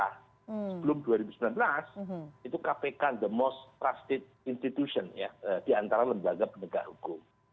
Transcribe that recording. sebelum dua ribu sembilan belas itu kpk the most trusted institution ya di antara lembaga penegak hukum